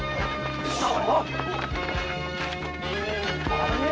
あれ？